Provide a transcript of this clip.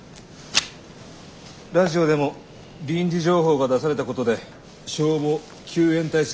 ラジオでも臨時情報が出されたことで消防救援体制は遅れると言ってた。